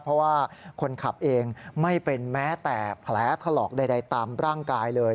เพราะว่าคนขับเองไม่เป็นแม้แต่แผลถลอกใดตามร่างกายเลย